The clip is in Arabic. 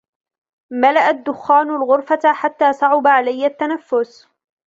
ملأ الدخان الغرفة حتى صعُب عليّ التنفس.